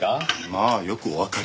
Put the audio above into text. まあよくおわかりで。